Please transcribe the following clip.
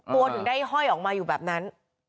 ถึงได้ห้อยออกมาอยู่แบบนั้น